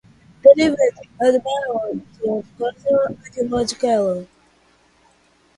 They lived at Belmont during construction at Monticello.